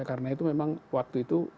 karena itu memang waktu itu